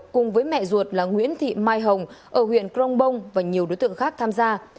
cùng với mẹ ruột là nguyễn thị mai hồng ở huyện crong bông và nhiều đối tượng khác tham gia